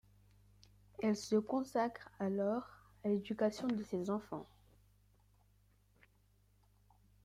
Elle se consacre alors à l’éducation de ses enfants.